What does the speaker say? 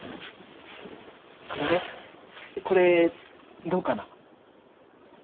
あのねこれどうかな？